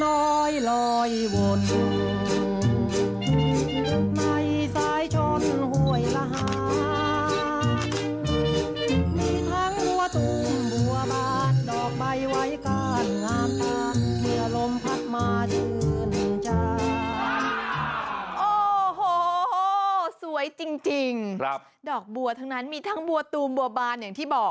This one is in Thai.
โอ้โหสวยจริงดอกบัวทั้งนั้นมีทั้งบัวตูมบัวบานอย่างที่บอก